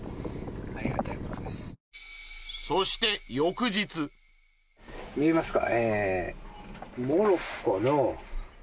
そして見えますか？